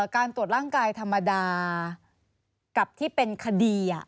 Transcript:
การตรวจร่างกายธรรมดากับที่เป็นคดี